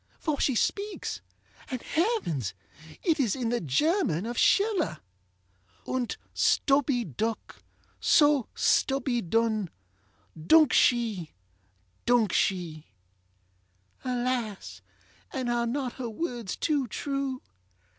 for she speaks, and, heavens! it is in the German of SchillerŌĆö ŌĆ£Unt stubby duk, so stubby dun Duk she! duk she! ŌĆØ Alas! and are not her words too true?